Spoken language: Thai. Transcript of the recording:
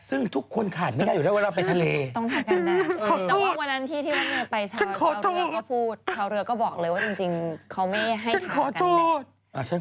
ซึ่งทุกคนขัดมั้ยคะอยู่แล้วว่าเราไปทะเล